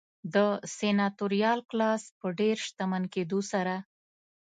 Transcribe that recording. د سناتوریال کلاس په ډېر شتمن کېدو سره